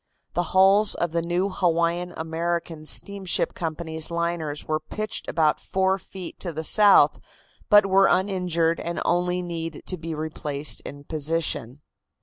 The hulls of the new Hawaiian American Steamship Company's liners were pitched about four feet to the south, but were uninjured and only need to be replaced in position.